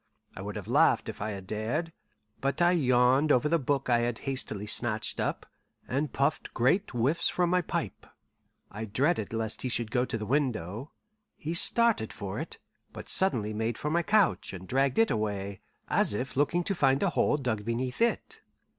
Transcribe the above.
I would have laughed if I had dared, but I yawned over the book I had hastily snatched up, and puffed great whiffs from my pipe. I dreaded lest he should go to the window. He started for it, but suddenly made for my couch, and dragged it away, as if looking to find a hole dug beneath it.